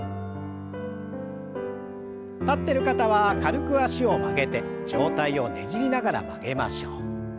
立ってる方は軽く脚を曲げて上体をねじりながら曲げましょう。